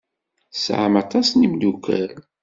Tesɛam aṭas n yimeddukal.